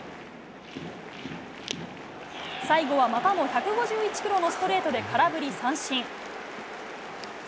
最後はまたも１５１キロのストレートで空振り三振。